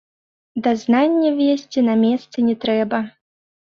Дазнання весці на месцы не трэба.